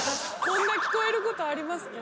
こんな聞こえることありますか？